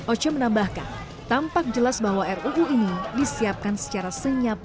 oce menambahkan tampak jelas bahwa ruu ini disiapkan secara senyap